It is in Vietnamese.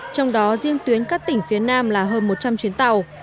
trong đó riêng tuyến các tỉnh phía nam là hơn một trăm linh chuyến tàu